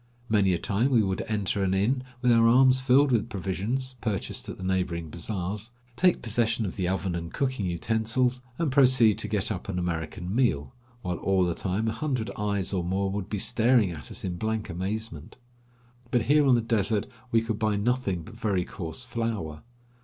Many a time we would enter an inn with our arms filled with provisions, purchased at the neighboring bazaars, take possession of the oven and cooking utensils, and proceed to get up an American meal, while all the time a hundred eyes or more would be staring at us in blank amazement. But here on the desert we could buy nothing but very coarse flour.